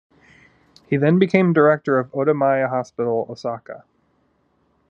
He then became Director of Otemae Hospital, Osaka.